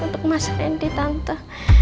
untuk mas rendi tante